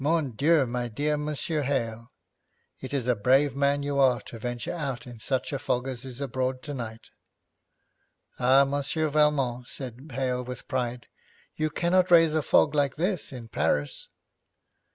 'Mon Dieu, my dear Monsieur Hale, it is a brave man you are to venture out in such a fog as is abroad tonight.' 'Ah, Monsieur Valmont,' said Hale with pride, 'you cannot raise a fog like this in Paris!'